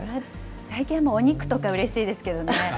最近はお肉とかうれしいです食べ物ね。